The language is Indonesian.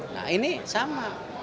nah ini sama